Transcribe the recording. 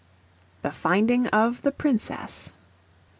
THE FINDING OF THE PRINCESS.